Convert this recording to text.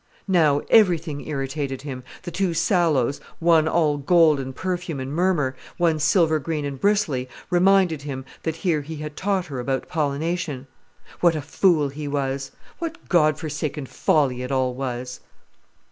Now, everything irritated him: the two sallows, one all gold and perfume and murmur, one silver green and bristly, reminded him, that here he had taught her about pollination. What a fool he was! What god forsaken folly it all was!